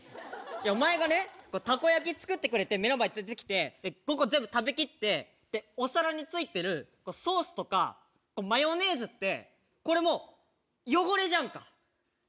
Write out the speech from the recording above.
お前がね、たこ焼き作ってくれて、目の前連れてきて、僕が全部食べ切って、お皿についてるソースとか、マヨネーズって、これもう、汚れじゃんか。